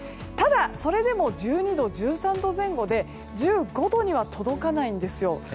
ただ、それでも１２度、１３度前後で１５度には届かないんです。